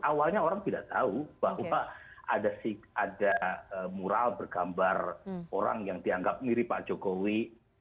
awalnya orang tidak tahu bahwa ada mural bergambar orang yang dianggap mirip pak jokowi